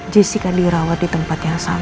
jessica dirawat di tempat yang sama sama elsa